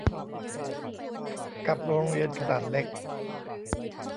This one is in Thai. กับโรงเรียนขนาดเล็ก